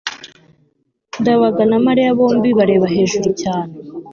ndabaga na mariya bombi bareba hejuru cyane